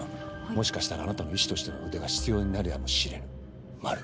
もしかしたらあなたの医師としての腕が必要になるやもしれぬまる。